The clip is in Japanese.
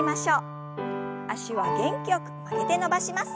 脚は元気よく曲げて伸ばします。